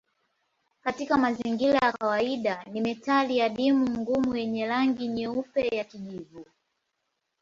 Katika mazingira ya kawaida ni metali adimu ngumu yenye rangi nyeupe ya kijivu.